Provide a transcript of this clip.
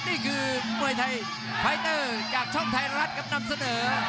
นี่คือมวยไทยไฟเตอร์จากช่องไทยรัฐครับนำเสนอ